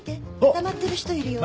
固まってる人いるよ。